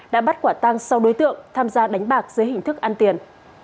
đã bắt quả tang sau đối tượng tham gia đánh bạc dưới hình thức ăn tiền